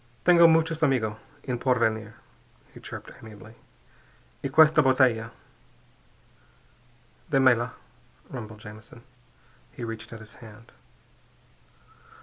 "Tengo muchos amigos en Porvenir," he chirped amiably. "_Y questa botella _" "Démela," rumbled Jamison. He reached out his hand.